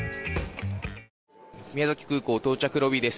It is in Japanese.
宮崎空港到着ロビーです。